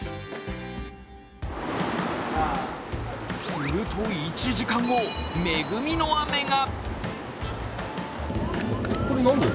すると１時間後、恵みの雨が。